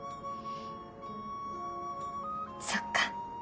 そっか。